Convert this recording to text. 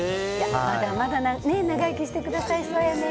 まだまだ長生きしてください。